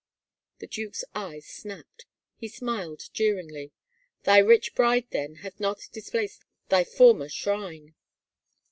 The duke's eyes snapped. He smiled jeeringly. " Thy rich bride, then, hath not displaced thy former — shrine?